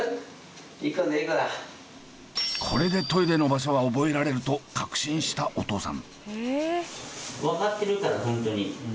これでトイレの場所は覚えられると確信したお父さん。